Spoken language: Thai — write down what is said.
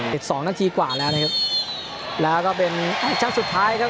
สิบสองนาทีกว่าแล้วนะครับแล้วก็เป็นชั้นสุดท้ายครับ